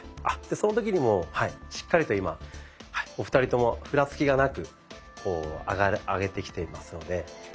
その時にもうしっかりと今お二人ともふらつきがなく上げてきていますので。